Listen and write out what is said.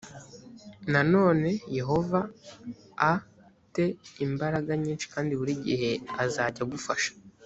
nanone yehova a te imbaraga nyinshi kandi buri gihe azajya agufasha